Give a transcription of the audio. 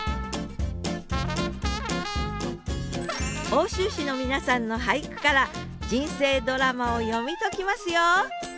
奥州市の皆さんの俳句から人生ドラマを読み解きますよ！